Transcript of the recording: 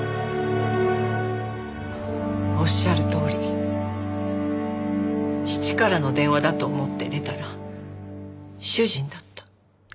おっしゃるとおり義父からの電話だと思って出たら主人だった。